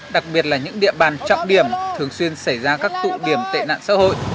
đặc biệt là những địa bàn trọng điểm thường xuyên xảy ra các tụ điểm tệ nạn xã hội